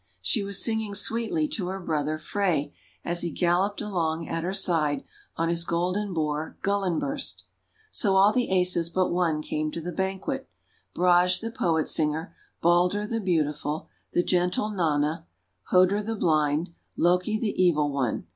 She was singing sweetly to her brother Frey, as he galloped along at her side on his golden Boar Gullinburste. So all the Asas but one came to the banquet — Brage the Poet Singer, Balder the Beautiful, the gentle Nanna, Hoder the Blind, Loki the Evil One.